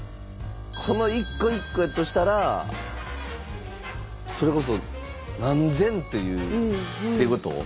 この一個一個やとしたらそれこそ何千っていうっていうこと？